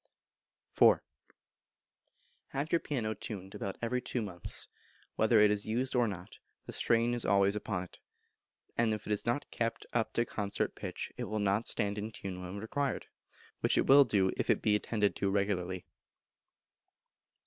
iv. Have your piano tuned about every two months; whether it is used or not, the strain is always upon it, and if it is not kept up to concert pitch it will not stand in tune when required, which it will do if it be attended to regularly.